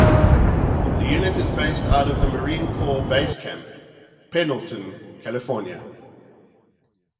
The unit is based out of the Marine Corps Base Camp Pendleton, California.